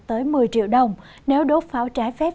tới một mươi triệu đồng nếu đốt pháo trái phép